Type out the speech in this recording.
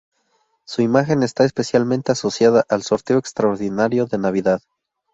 Su imagen está especialmente asociada al Sorteo Extraordinario de Navidad.